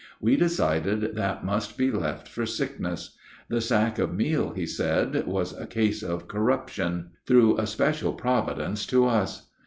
We decided that must be left for sickness. The sack of meal, he said, was a case of corruption, through a special providence to us.